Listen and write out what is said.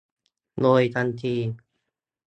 โดยทันที